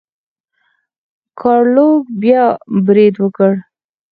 ګارلوک بیا برید وکړ.